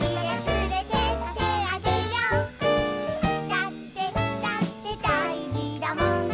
「だってだってだいじだもん」